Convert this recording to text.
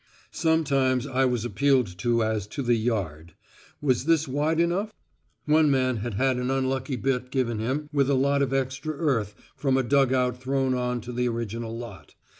Sometimes I was appealed to as to the "yard." Was this wide enough? One man had had an unlucky bit given him with a lot of extra earth from a dug out thrown on to the original lot.